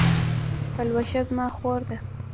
پلوشه زما خور ده